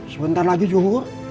sebentar lagi juhur